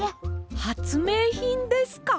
はつめいひんですか？